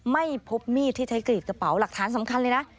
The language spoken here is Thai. ไม่พบมีดที่ใช้กรีดกระเป๋าหลักฐานสำคัญเลยนะ